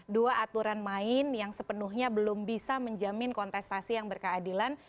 dua aturan main yang sepenuhnya belum bisa menjamin kontestasi yang berkeadilan